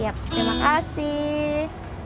yap terima kasih